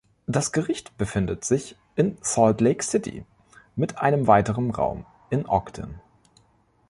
Das Gericht befindet sich in Salt Lake City mit einem weiteren Raum in Ogden.